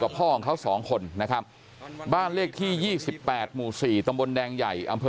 พ่อของเขาสองคนนะครับบ้านเลขที่๒๘หมู่๔ตำบลแดงใหญ่อำเภอ